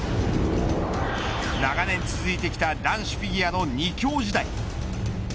長年続いてきた男子フィギュアの２強時代。